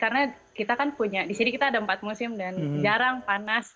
karena kita kan punya di sini kita ada empat musim dan jarang panas